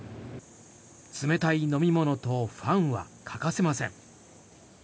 冷たい飲み物とファンは欠かせません。